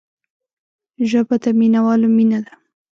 ژبه د مینوالو مینه ده